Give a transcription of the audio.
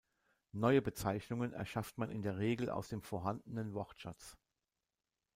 Neue Bezeichnungen erschafft man in der Regel aus dem vorhandenen Wortschatz.